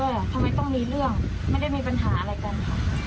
อยากโดนตบหรออะไรอย่างนี้